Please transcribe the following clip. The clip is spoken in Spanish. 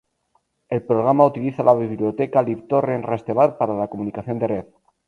El programa utiliza la biblioteca libtorrent-rasterbar para la comunicación de red.